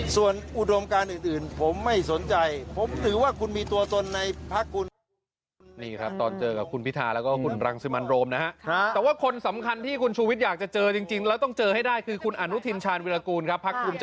ส่วนอุดมการอื่นผมไม่สนใจผมถือว่าคุณมีตัวตนในพักคุณ